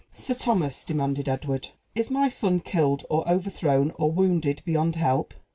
"Sir Thomas," demanded Edward, "is my son killed, or overthrown, or wounded beyond help?"